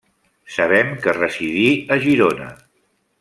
Sabem que residí a Girona.